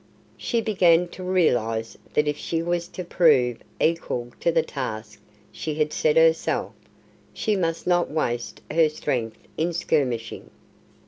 She began to realize that if she was to prove equal to the task she had set herself, she must not waste her strength in skirmishing.